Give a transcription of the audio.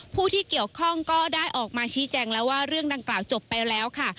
ผู้ที่เกี่ยวข้องก็ได้ออกมาชี้แจงแล้วว่าเรื่องดังกล่าวจบไปแล้วค่ะ